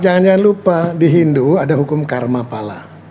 jangan jangan lupa di hindu ada hukum karma pala